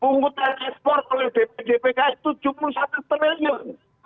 pungutan ekspor oleh bpjpk itu rp tujuh puluh satu triliun